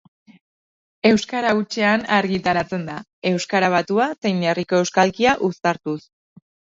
Euskara hutsean argitaratzen da, euskara batua zein herriko euskalkia uztartuz.